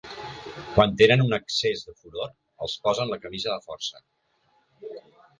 Quan tenen un accés de furor, els posen la camisa de força.